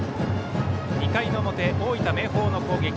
２回の表、大分・明豊の攻撃。